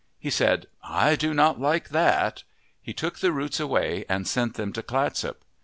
He said, " I do not like that." He took the roots away and sent them to Clatsop.